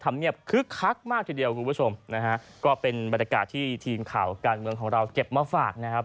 เงียบคึกคักมากทีเดียวคุณผู้ชมนะฮะก็เป็นบรรยากาศที่ทีมข่าวการเมืองของเราเก็บมาฝากนะครับ